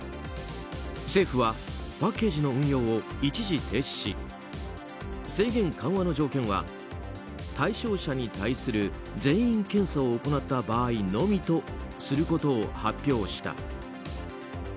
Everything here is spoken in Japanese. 政府はパッケージの運用を一時停止し制限緩和の条件は対象者に対する全員検査を行った場合のみとすることを発表した。